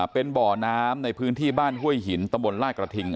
เป็นบ่อน้ำในพื้นที่บ้านห้วยหินตำบลลาดกระทิง